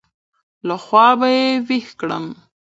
له خوابه يې وېښ کړم.